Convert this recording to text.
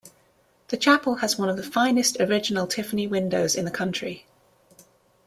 The chapel has one of the finest original Tiffany windows in the country.